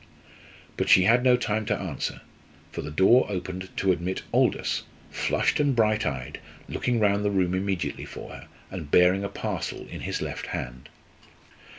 But she had no time to answer, for the door opened to admit Aldous, flushed and bright eyed, looking round the room immediately for her, and bearing a parcel in his left hand.